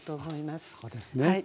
そうですね。